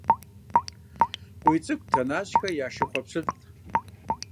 КъуийцӀыкӀу Тэнащхэ я шыхъуэ пщылӀт.